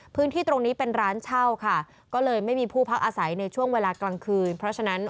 พื้นที่ตรงนี้เป็นร้านเช่าค่ะ